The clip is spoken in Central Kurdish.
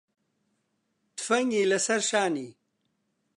تفەنگی لەسەر شانی